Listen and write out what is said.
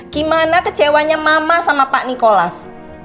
gimana kecewanya mama sama pak nikolas